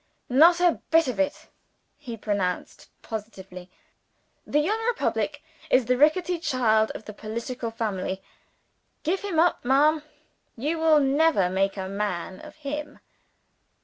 "Not a bit of it!" he pronounced positively. "The 'young Republic' is the ricketty child of the political family. Give him up, ma'am. You will never make a man of him."